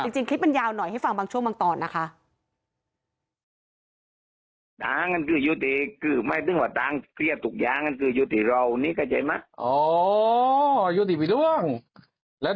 จริงคลิปมันยาวหน่อยให้ฟังบางช่วงบางตอนนะคะ